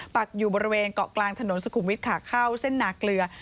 ปรักอยู่บริเวณเกาะกลางถนนสกุมวิทข้าวเส้นหนาเกลือ